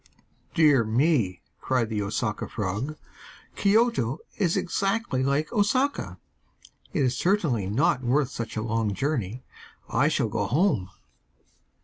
'Dear me!' cried the Osaka frog, 'Kioto is exactly like Osaka. It is certainly not worth such a long journey. I shall go home!